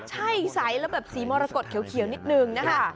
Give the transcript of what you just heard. ใช่ใสแล้วแบบสีมรกฏเขียวนิดนึงนะคะ